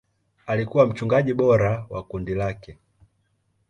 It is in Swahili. Alikuwa mchungaji bora wa kundi lake.